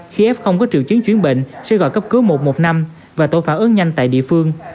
khi f có triều chứng chuyến bệnh sẽ gọi cấp cứu một một năm và tổ phản ứng nhanh tại địa phương